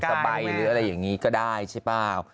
สบายหรืออะไรอย่างนี้ก็ได้ใช่เปล่า